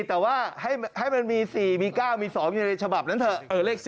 แต่ว่าให้มันมี๔มี๙มี๒มีในเฉบับนั้นเถอะ